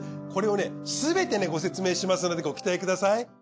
これをすべてご説明しますのでご期待ください。